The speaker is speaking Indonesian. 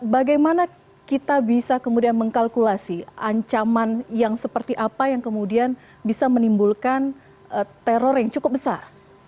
bagaimana kita bisa kemudian mengkalkulasi ancaman yang seperti apa yang kemudian bisa menimbulkan teror yang cukup besar